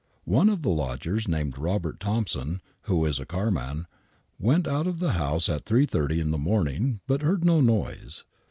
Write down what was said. One of the lodgers, named Robert Thompson, who is a carman, went out of the house at 3.30 in the morning, but heard no noise.